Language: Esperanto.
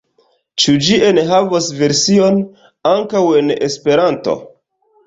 Ĉu ĝi enhavos version ankaŭ en Esperanto?